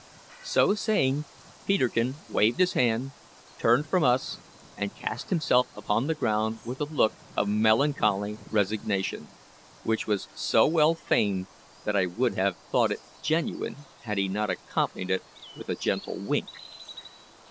So saying, Peterkin waved his hand, turned from us, and cast himself upon the ground with a look of melancholy resignation, which was so well feigned that I would have thought it genuine had he not accompanied it with a gentle wink.